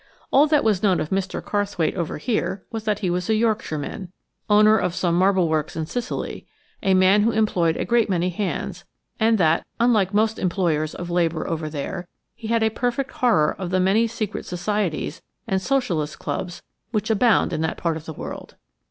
All that was known of Mr. Carrthwaite over here was that he was a Yorkshireman, owner of some marble works in Sicily, a man who employed a great many hands; and that, unlike most employers of labour over there, he had a perfect horror of the many secret societies and Socialist clubs which abound in that part of the world.